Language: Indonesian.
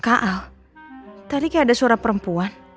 kak al tadi kayak ada suara perempuan